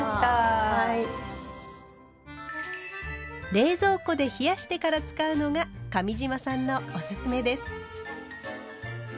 冷蔵庫で冷やしてから使うのが上島さんのオススメです。